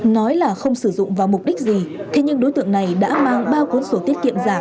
nói là không sử dụng vào mục đích gì thế nhưng đối tượng này đã mang bao cuốn sổ tiết kiệm